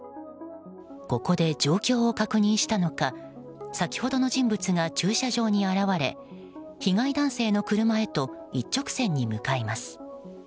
ここで状況を確認したのか先ほどの人物が駐車場に現れ被害男性の車へと一直線に向かいます。